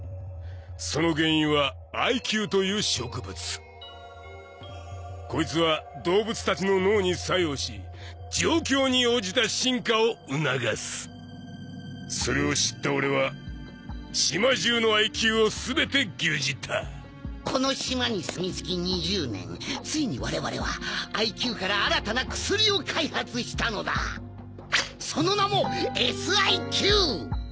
その原因はＩＱという植物こいつは動物たちの脳に作用し状況に応じた進化を促すそれを知った俺は島中のＩＱを全て牛耳ったこの島に住みつき２０年ついに我々はＩＱから新たな薬を開発したのだその名も「ＳＩＱ」